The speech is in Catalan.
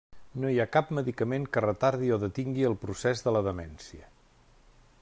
No hi ha cap medicament que retardi o detingui el progrés de la demència.